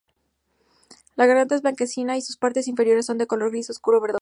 La garganta es blanquecina y sus partes inferiores son de color gris oscuro verdoso.